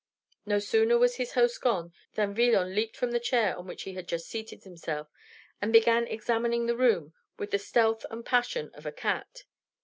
No sooner was his host gone than Villon leaped from the chair on which he just seated himself, and began examining the room, with the stealth and passion of a cat.